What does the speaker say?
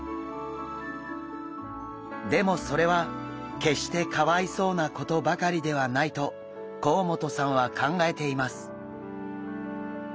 でもそれは決してかわいそうなことばかりではないと甲本さんは考えています。